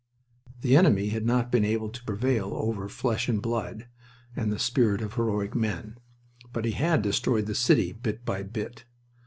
The enemy had not been able to prevail over flesh and blood and the spirit of heroic men, but he had destroyed the city bit by bit.